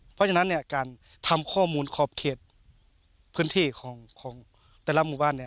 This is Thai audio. เพราะฉะนั้นการทำข้อมูลขอบเขตพื้นที่ของแต่ละหมู่บ้านเนี่ย